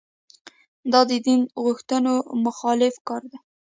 دا د دین غوښتنو مخالف کار دی.